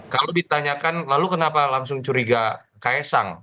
kalau ditanyakan lalu kenapa langsung curiga kaesang